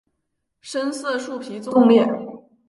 深色树皮纵裂。